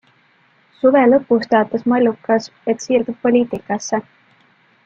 Suve lõpus teatas Mallukas, et siirdub poliitikasse!